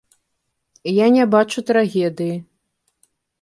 Я не бачу трагедыі.